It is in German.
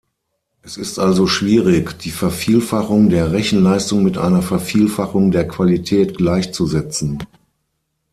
Es ist also schwierig, die Vervielfachung der Rechenleistung mit einer Vervielfachung der Qualität gleichzusetzen.